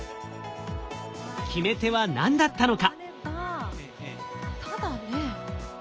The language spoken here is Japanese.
決め手は何だったのか？